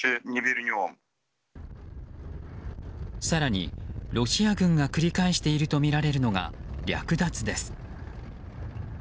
更にロシア軍が繰り返しているとみられるのが略奪です。